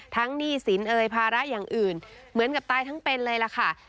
หนี้สินเอ่ยภาระอย่างอื่นเหมือนกับตายทั้งเป็นเลยล่ะค่ะ